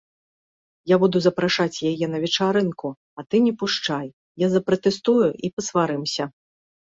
Я буду запрашаць яе на вечарынку, а ты не пушчай, я запратэстую, і пасварымся.